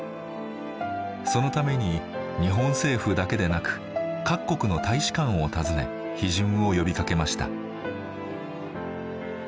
そのために日本政府だけでなく各国の大使館を訪ね批准を呼びかけました。